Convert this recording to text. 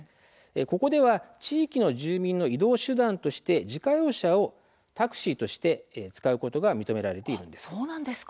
ここでは地域の住民の移動手段として自家用車をタクシーとして使うことが認められています。